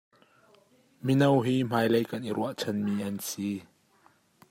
Mino hi hmailei kan i ruahchanmi an si.